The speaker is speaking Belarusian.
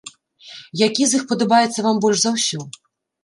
Які з іх падабаецца вам больш за ўсё?